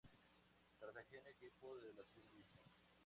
Cartagena, equipo de la Segunda División.